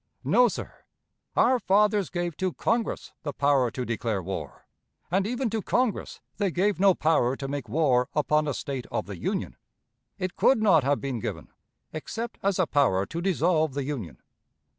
No, sir. Our fathers gave to Congress the power to declare war, and even to Congress they gave no power to make war upon a State of the Union. It could not have been given, except as a power to dissolve the Union.